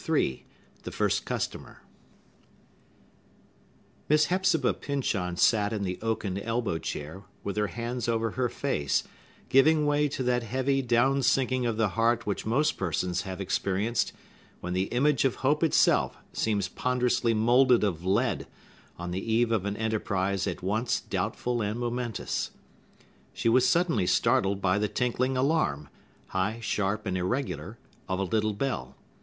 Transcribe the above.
III. The First Customer Miss Hepzibah Pyncheon sat in the oaken elbow chair, with her hands over her face, giving way to that heavy down sinking of the heart which most persons have experienced, when the image of hope itself seems ponderously moulded of lead, on the eve of an enterprise at once doubtful and momentous. She was suddenly startled by the tinkling alarum—high, sharp, and irregular—of a little bell.